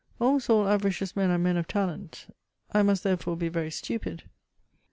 Almost all avaricious men are men of talent ; I must there fore be very stupid.